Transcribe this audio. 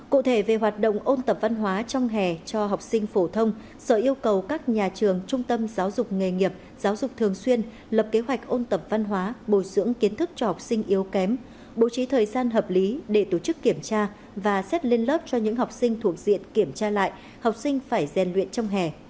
cụ thể về hoạt động ôn tập văn hóa trong hè cho học sinh phổ thông sở yêu cầu các nhà trường trung tâm giáo dục nghề nghiệp giáo dục thường xuyên lập kế hoạch ôn tập văn hóa bồi dưỡng kiến thức cho học sinh yếu kém bố trí thời gian hợp lý để tổ chức kiểm tra và xét lên lớp cho những học sinh thuộc diện kiểm tra lại học sinh phải rèn luyện trong hè